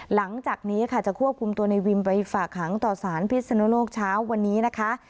หลังจากนี้ค่ะจะควบคุมตัวในวิมไปฝากหางต่อสารพิศนุโลกเช้าวันนี้นะคะ